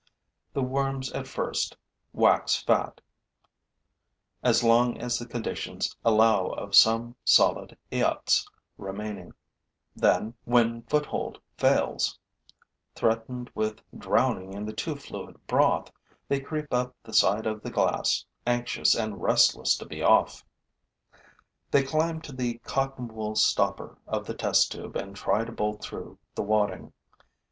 The worms at first wax fat, as long as the conditions allow of some solid eyots remaining; then, when foothold fails, threatened with drowning in the too fluid broth, they creep up the side of the glass, anxious and restless to be off. They climb to the cotton wool stopper of the test tube and try to bolt through the wadding.